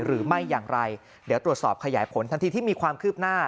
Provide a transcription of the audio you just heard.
หรือไม่อย่างไรเดี๋ยวตรวจสอบขยายผลทันทีที่มีความคืบหน้า